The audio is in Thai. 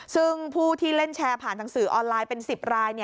ซึ่งผู้ที่เล่นแชร์ผ่านทางสื่อออนไลน์เป็น๑๐ราย